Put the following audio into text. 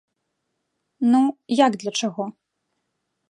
Ну, як для чаго?